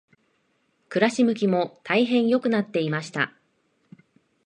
暮し向きも大変良くなっていました。